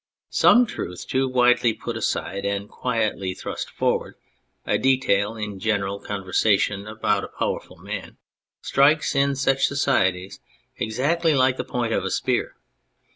Some truth too widely put aside and quietly thrust forward, a detail in general conversa tion about a powerful man strikes, in such societies, exactly like the point of a spear.